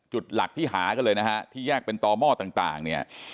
จุดหลักที่หากันเลยนะฮะที่แยกเป็นต่อหม้อต่างเนี่ย